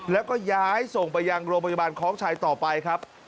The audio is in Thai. แล้วก็ย้ายส่งไปยังโรงพยาบาลคล้องชัยต่อไปครับ